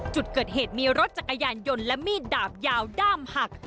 จุดเกิดเหตุมีรถจักรยานยนต์และมีดดาบยาวด้ามหัก